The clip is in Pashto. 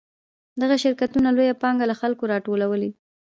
دغه شرکتونه لویه پانګه له خلکو راټولوي